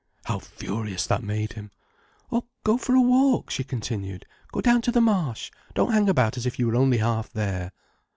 How furious that made him. "Or go for a walk," she continued. "Go down to the Marsh. Don't hang about as if you were only half there."